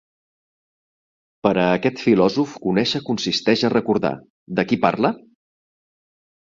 Per a aquest filòsof conèixer consisteix a recordar, de qui parle?